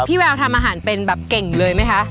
แววทำอาหารเป็นแบบเก่งเลยไหมคะ